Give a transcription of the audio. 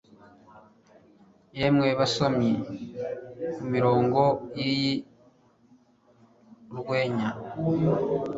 Yemwe basomyi kumirongo yiyi Urwenya